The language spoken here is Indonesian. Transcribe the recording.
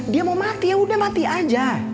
dia mau mati yaudah mati aja